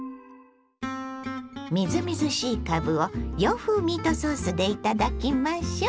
みずみずしいかぶを洋風ミートソースで頂きましょう。